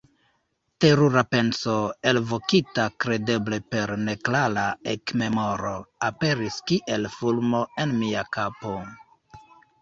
Terura penso, elvokita kredeble per neklara ekmemoro, aperis kiel fulmo en mia kapo.